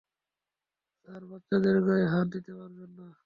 Sir, বাচ্চাদের গায়ে হাত দিতে পারবেন না।